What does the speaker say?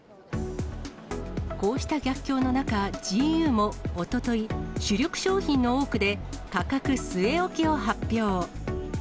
こうした逆境の中、ジーユーもおととい、主力商品の多くで、価格据え置きを発表。